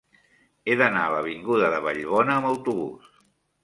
He d'anar a l'avinguda de Vallbona amb autobús.